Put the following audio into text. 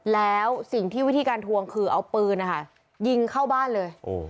แล้วสิ่งที่วิธีการทวงคือเอาปืนนะคะยิงเข้าบ้านเลย